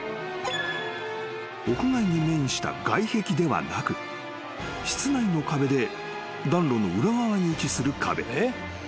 ［屋外に面した外壁ではなく室内の壁で暖炉の裏側に位置する壁］